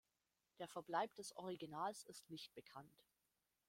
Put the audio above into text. Der Verbleib des Originals ist nicht bekannt.